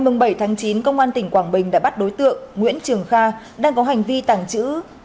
ngày bảy tháng chín công an tỉnh quảng bình đã bắt đối tượng nguyễn trường kha đang có hành vi tàng trữ